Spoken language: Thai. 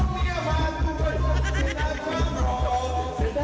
เพลง